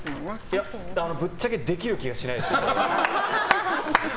いや、ぶっちゃけできる気がしないです。